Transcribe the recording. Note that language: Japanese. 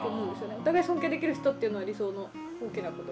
お互い尊敬できる人っていうのは理想の大きなこと。